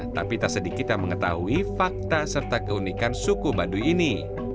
tapi tak sedikit yang mengetahui fakta serta keunikan suku baduy ini